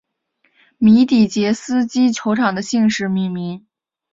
米底捷斯基球场的姓氏命名。